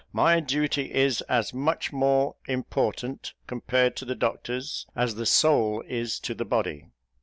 My duty is as much more important, compared to the doctor's, as the soul is to the body."